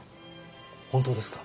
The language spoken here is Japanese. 本当ですか？